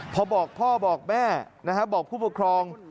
พอบอกพ่อบอกแม่นะฮะบอกผู้ปกครอง